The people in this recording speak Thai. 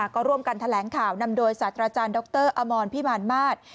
ก็ร่วมกันแถลงข่าวนำโดยศาสตราจารย์ดรอมรพิมารมาศ